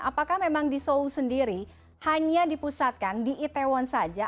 apakah memang di seoul sendiri hanya dipusatkan di itaewon saja